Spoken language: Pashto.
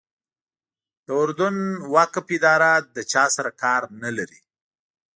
د اردن وقف اداره له چا سره کار نه لري.